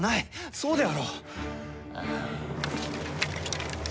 そうであろう？